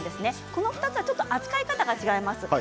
この２つ、扱い方がちょっと違います。